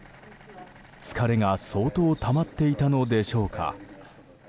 疲れが相当たまっていたのでしょうか。